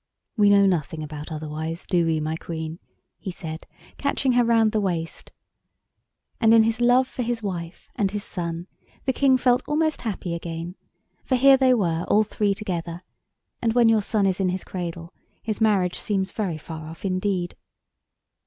"We know nothing about otherwise, do we, my Queen?" he said, catching her round the waist. And in his love for his wife and his son the King felt almost happy again, for here they were all three together, and when your son is in his cradle his marriage seems very far off indeed.